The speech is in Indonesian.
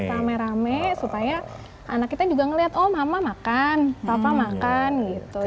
rame rame supaya anak kita juga melihat oh mama makan papa makan gitu